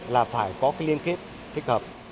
thứ hai là phải có cái liên kết thích hợp